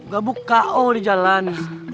gabuk k o di jalan